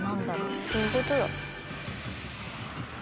どういうことだ？